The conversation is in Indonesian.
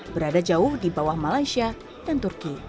berada jauh di bawah malaysia dan turki